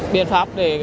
biện pháp để